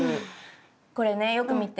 これねよく見て。